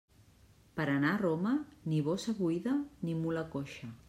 Per anar a Roma, ni bossa buida ni mula coixa.